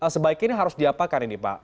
sebaiknya harus diapakan ini pak